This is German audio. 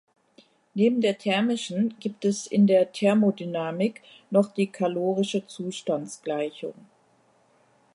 Neben der thermischen gibt es in der Thermodynamik noch die kalorische Zustandsgleichung.